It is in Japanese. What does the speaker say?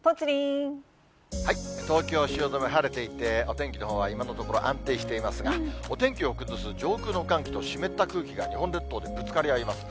東京・汐留、晴れていて、お天気のほうは今のところ安定していますが、お天気を崩す上空の寒気の湿った空気が、日本列島でぶつかり合います。